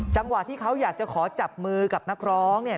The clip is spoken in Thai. จังหวะที่เขาอยากจะขอจับมือกับนักร้องเนี่ย